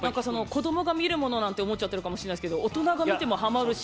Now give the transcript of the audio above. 「子供が見るもの」なんて思っちゃってるかもしんないですけど大人が見てもハマるし。